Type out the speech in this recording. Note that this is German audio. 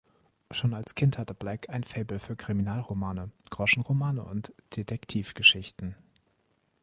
Schon als Kind hatte Black ein Faible für Kriminalromane, Groschenromane und Detektivgeschichten.